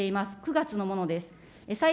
９月のものです。